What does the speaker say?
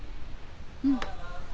うん。